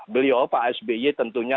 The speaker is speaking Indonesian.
beliau pak sby tentunya